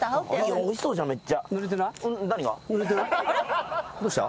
おいしそうじゃんめっちゃ。